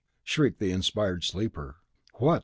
shrieked the inspired sleeper. "What!